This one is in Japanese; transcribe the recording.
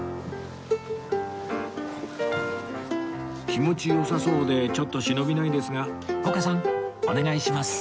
気持ち良さそうでちょっと忍びないですが丘さんお願いします